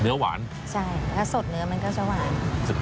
เนื้อหวานใช่ถ้าสดเนื้อมันก็จะหวานสุดยอดเลย